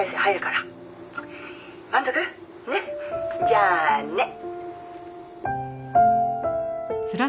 「じゃあね！」